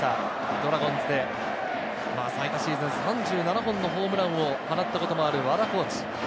ドラゴンズで最多シーズン３７本のホームランを放ったこともある和田コーチ。